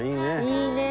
いいねえ。